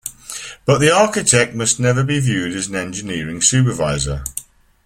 But the architect must never be viewed as an engineering supervisor.